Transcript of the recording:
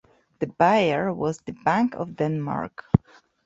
The buyer was the Bank of Denmark.